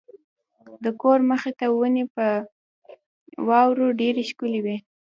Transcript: د کور مخې ته ونې په واورو ډېرې ښکلې وې.